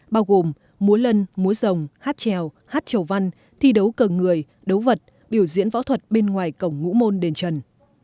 bao gồm múa lân múa rồng hát trèo hát trầu văn thi đấu cờ người đấu vật biểu diễn võ thuật bên ngoài cổng ngũ môn đền trần